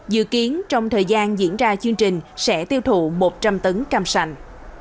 dự kiến trong thời gian diễn ra chương trình sẽ tiêu thụ một trăm linh tấn cam sành